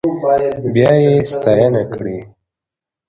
بيا يې ستاينه کړې.